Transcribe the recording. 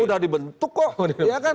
sudah dibentuk kok